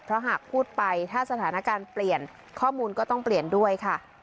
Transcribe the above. เพราะหากพูดไปถ้าสถานการณ์เปลี่ยนข้อมูลก็ต้องเปลี่ยนด้วยค่ะ